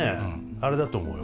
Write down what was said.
あれだと思うよ。